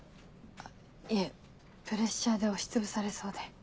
いえプレッシャーで押しつぶされそうで。